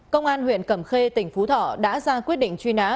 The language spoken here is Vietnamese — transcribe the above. công an huyện cẩm khê tỉnh phú thọ đã ra quyết định truy nã